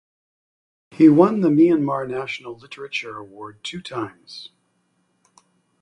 He won the Myanmar National Literature Award two times.